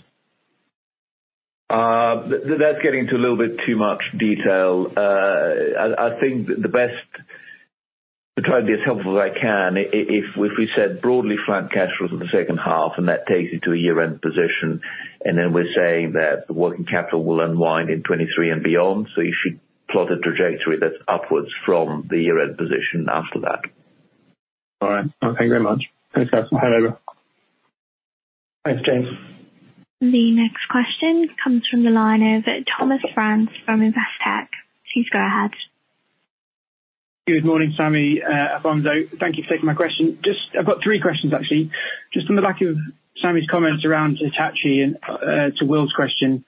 That's getting to a little bit too much detail. I think to try to be as helpful as I can, if we said broadly flat cash flows in the second half, and that takes you to a year-end position, and then we're saying that the working capital will unwind in 2023 and beyond. You should plot a trajectory that's upwards from the year-end position after that. All right. Thank you very much. Thanks, Sami. Over. Thanks James. The next question comes from the line of Thomas Sheridan from Investec. Please go ahead. Good morning Sami, Afonso. Thank you for taking my question. I've got three questions, actually. On the back of Sami's comments around Hitachi and to Will's question.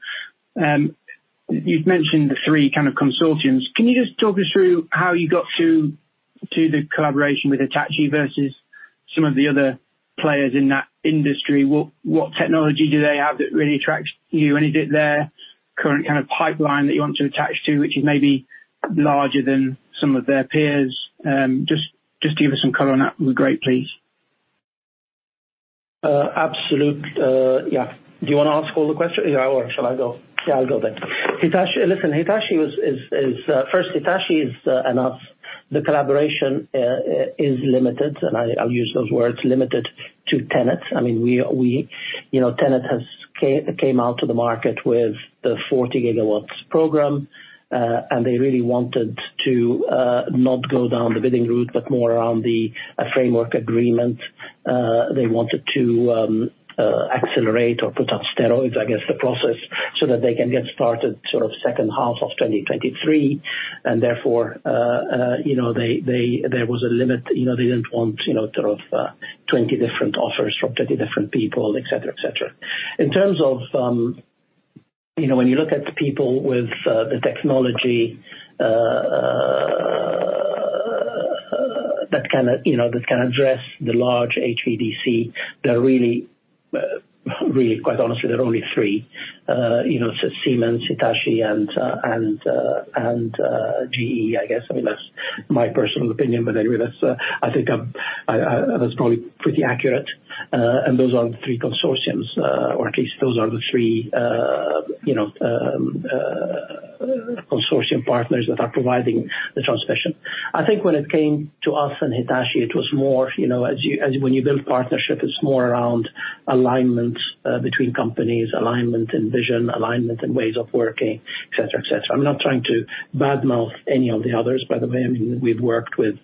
You've mentioned the three kind of consortiums. Can you just talk us through how you got to the collaboration with Hitachi versus some of the other players in that industry? What technology do they have that really attracts you? And is it their current kind of pipeline that you want to attach to, which is maybe larger than some of their peers? Just give us some color on that would be great, please. Absolutely. Yeah. Do you want to ask all the questions or shall I go? Yeah, I'll go then. Hitachi. Listen, Hitachi is, and that's the collaboration is limited, and I'll use those words, limited to TenneT. I mean, you know, TenneT has come out to the market with the 40 GW program, and they really wanted to not go down the bidding route, but more around a framework agreement. They wanted to accelerate or put on steroids, I guess, the process so that they can get started sort of second half of 2023 and therefore, you know, they, there was a limit. You know, they didn't want, you know, sort of, 20 different offers from 30 different people, etc., etc. In terms of you know when you look at people with the technology that can, you know, that can address the large HVDC, they're really quite honestly there are only three, you know, Siemens, Hitachi and GE, I guess. I mean, that's my personal opinion, but anyway, that's, I think, that's probably pretty accurate. Those are the three consortiums, or at least those are the three, you know, consortium partners that are providing the transmission. I think when it came to us and Hitachi, it was more, you know, as when you build partnership, it's more around alignment between companies, alignment and vision, alignment and ways of working, etc., etc. I'm not trying to badmouth any of the others, by the way. I mean we've worked with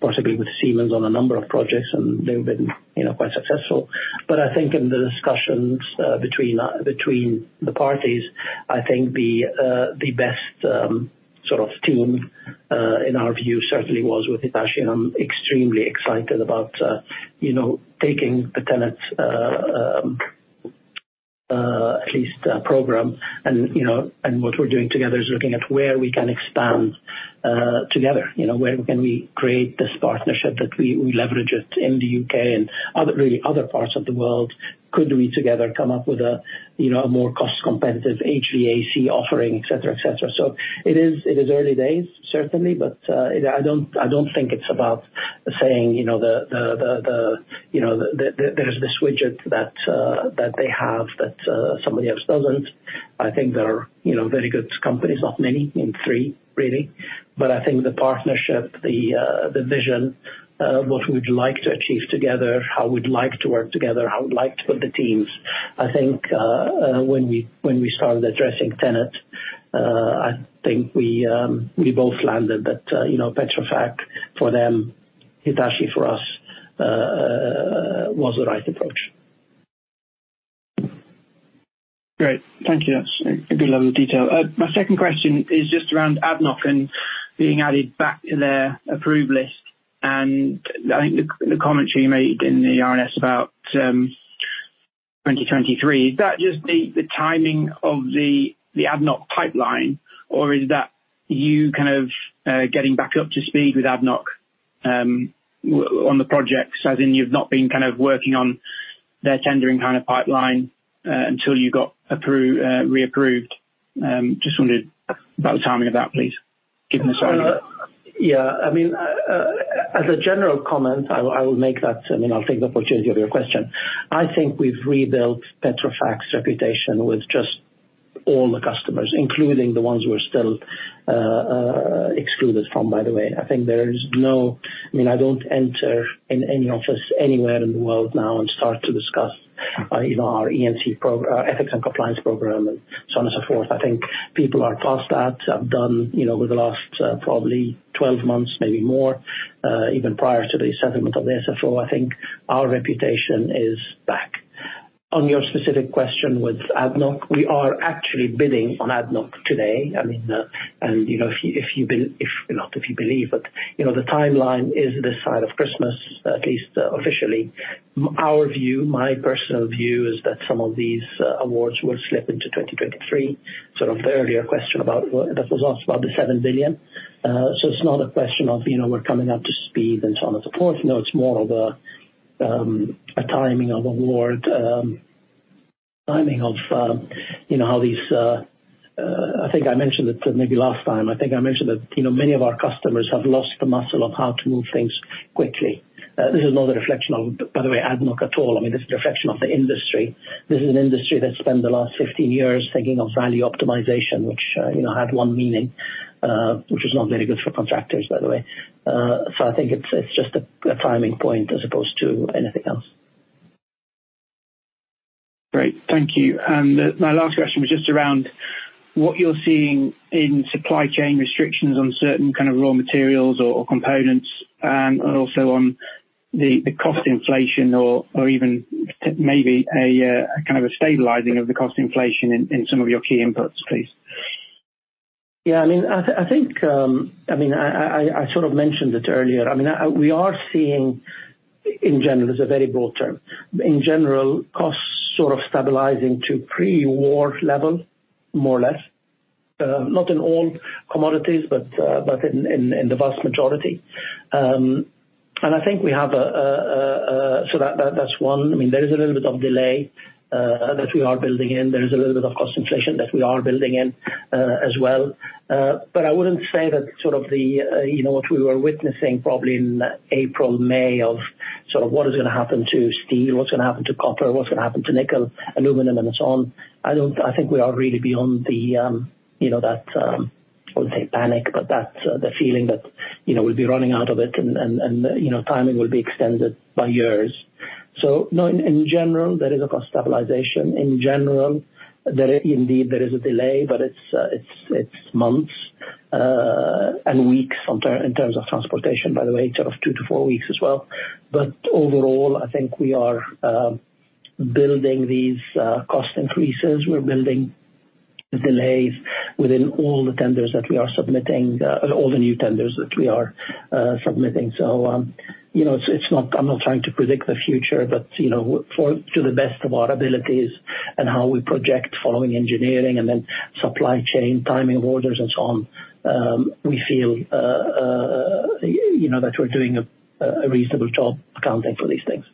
possibly with Siemens on a number of projects and they've been, you know, quite successful. I think in the discussions, between the parties, I think the best sort of team, in our view certainly was with Hitachi. I'm extremely excited about, you know, taking the TenneT at least a program. You know, and what we're doing together is looking at where we can expand together. You know, where can we create this partnership that we leverage it in the U.K. And other parts of the world. Could we together come up with a, you know, a more cost competitive HVAC offering, etc., etc. It is early days certainly, but I don't think it's about saying, you know, the there's this widget that they have that somebody else doesn't. I think there are, you know, very good companies, not many, I mean, three really. I think the partnership, the vision of what we'd like to achieve together, how we'd like to work together, how we'd like to put the teams. I think when we started addressing TenneT, I think we both landed that, you know, Petrofac for them, Hitachi for us was the right approach. Great. Thank you. That's a good level of detail. My second question is just around ADNOC and being added back to their approved list, and I think the commentary you made in the RNS about 2023. Is that just the timing of the ADNOC pipeline, or is that you kind of getting back up to speed with ADNOC on the projects, as in you've not been kind of working on their tendering kind of pipeline until you got reapproved. Just wondered about the timing of that, please. Given the size of it. Well yeah I mean as a general comment, I will make that. I mean, I'll take the opportunity of your question. I think we've rebuilt Petrofac's reputation with just all the customers, including the ones who are still excluded from, by the way. I mean, I don't enter in any office anywhere in the world now and start to discuss, you know, our E&C program, our ethics and compliance program, and so on and so forth. I think people are past that, have done, you know, over the last, probably 12 months, maybe more, even prior to the settlement of the SFO. I think our reputation is back. On your specific question with ADNOC, we are actually bidding on ADNOC today. I mean you know, not if you believe, but you know, the timeline is this side of Christmas, at least officially. Our view, my personal view is that some of these awards will slip into 2023, sort of the earlier question about that was asked about the $7 billion. It's not a question of, you know, we're coming up to speed and so on and so forth. No, it's more of a timing of award, you know how these. I think I mentioned it maybe last time. I think I mentioned that, you know, many of our customers have lost the muscle of how to move things quickly. This is not a reflection of, by the way, ADNOC at all. I mean this is a reflection of the industry. This is an industry that spent the last 15 years thinking of value optimization, which, you know, had one meaning, which is not very good for contractors, by the way. I think it's just a timing point as opposed to anything else. Great. Thank you. My last question was just around what you're seeing in supply chain restrictions on certain kind of raw materials or components, and also on the cost inflation or even maybe a kind of a stabilizing of the cost inflation in some of your key inputs, please. I mean I think I sort of mentioned it earlier. I mean, we are seeing in general, as a very broad term, in general, costs sort of stabilizing to pre-war levels, more or less. Not in all commodities, but in the vast majority. That's one. I mean, there is a little bit of delay that we are building in. There is a little bit of cost inflation that we are building in, as well. But I wouldn't say that sort of the, you know, what we were witnessing probably in April, May of sort of what is gonna happen to steel, what's gonna happen to copper, what's gonna happen to nickel, aluminum and so on. I think we are really beyond the you know that I wouldn't say panic, but that the feeling that you know we'll be running out of it and you know timing will be extended by years. No, in general, there is a cost stabilization. In general, there is a delay, but it's months and weeks sometimes, in terms of transportation, by the way, sort of two to four weeks as well. Overall, I think we are building these cost increases. We're building delays within all the new tenders that we are submitting. You know it's not I'm not trying to predict the future, but, you know, to the best of our abilities and how we project following engineering and then supply chain, timing of orders and so on, we feel, you know, that we're doing a reasonable job accounting for these things.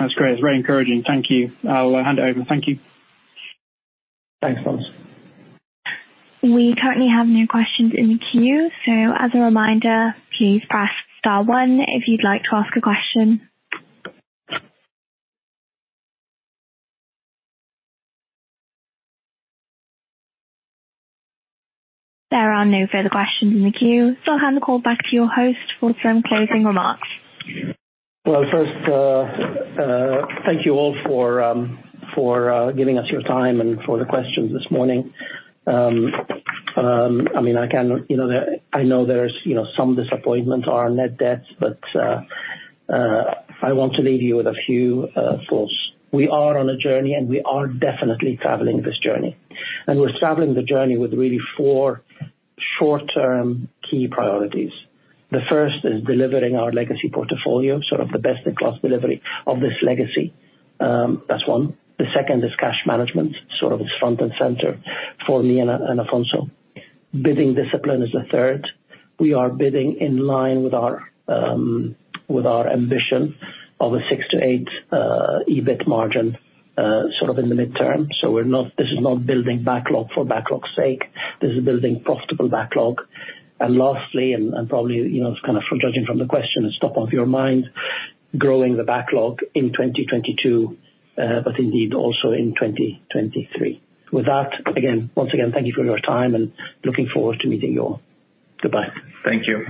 That's great. It's very encouraging. Thank you. I'll hand it over. Thank you. Thanks Thomas. We currently have no questions in the queue, so as a reminder, please press star one if you'd like to ask a question. There are no further questions in the queue, so I'll hand the call back to your host for some closing remarks. Well first thank you all for giving us your time and for the questions this morning. I mean, I know there's, you know, some disappointment on our net debt, but I want to leave you with a few thoughts. We are on a journey, and we are definitely traveling this journey, and we're traveling the journey with really four short-term key priorities. The first is delivering our legacy portfolio, sort of the best-in-class delivery of this legacy. That's one. The second is cash management, sort of is front and center for me and Afonso. Bidding discipline is the third. We are bidding in line with our ambition of a 6%-8% EBIT margin, sort of in the midterm. We're not. This is not building backlog for backlog's sake. This is building profitable backlog. Lastly, probably, you know, it's kind of judging from the question, it's top of your mind, growing the backlog in 2022, but indeed also in 2023. With that, once again, thank you for your time and looking forward to meeting you all. Goodbye. Thank you.